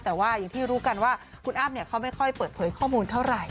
แต่ว่าอย่างที่รู้กันว่าคุณอ้ำเขาไม่ค่อยเปิดเผยข้อมูลเท่าไหร่